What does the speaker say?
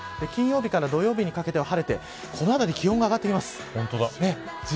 金曜日から土曜日にかけては晴れてこのあたりで気温が上がってきます。